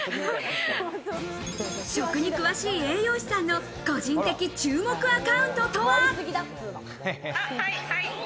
食に詳しい栄養士さんの個人的注目アカウントとは？